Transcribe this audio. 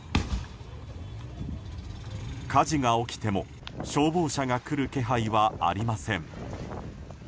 火事が起きても消防車が来る気配はありません。